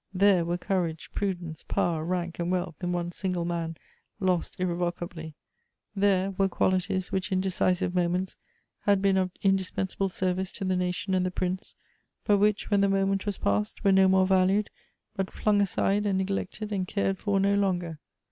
There were courage, prudence, power, rank, and wealth in one single man, lost irrevocably ; there were qualities which, in decisive moments, had been of indispensable service to the nation and tlie prince; but which, when the moment was passed, were no more valued, but flung aside and neglected, and cared for no longer.